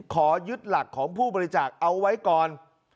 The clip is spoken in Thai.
ขอยึดหลักของผู้บริจาคเอาไว้ก่อน